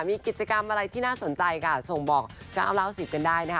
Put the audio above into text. มีกิจกรรมอะไรที่น่าสนใจส่งบอกก็เอาล่าอุปสริษฐ์กันได้